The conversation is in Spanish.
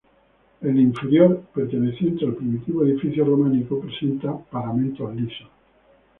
El inferior, perteneciente al primitivo edificio románico, presenta paramentos lisos.